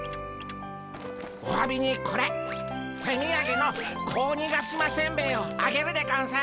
おわびにこれ手みやげの子鬼ヶ島せんべいをあげるでゴンス。